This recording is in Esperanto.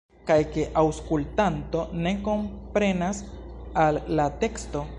Kaj ke aŭskultanto ne komprenas al la teksto?